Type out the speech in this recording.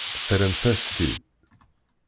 Terramt-as-t-id.